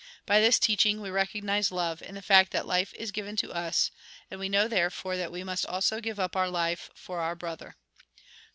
By this teaching we recognise love, in the fact that life is given to us ; and we know, therefore, that we also must give up our life for our brother.